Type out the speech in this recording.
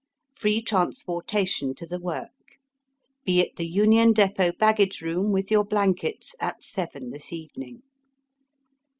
Free transporta tion to the work. Be at the Union Depot baggage room with your blankets at seven this evening."